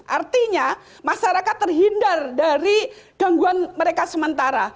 artinya masyarakat terhindar dari gangguan mereka sementara